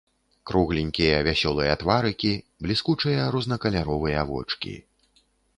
Кругленькія вясёлыя тварыкі, бліскучыя рознакаляровыя вочкі.